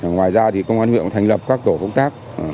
ngoài ra công an huyện cũng thành lập các tổ phong tác